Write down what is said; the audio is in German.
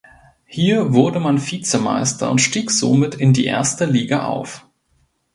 Hier wurde man Vizemeister und stieg somit in die erste Liga auf.